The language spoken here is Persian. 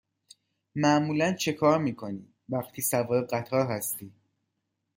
معمولا چکار می کنی وقتی سوار قطار هستی؟